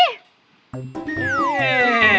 แน่